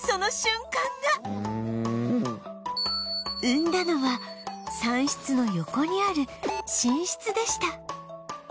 産んだのは産室の横にある寝室でした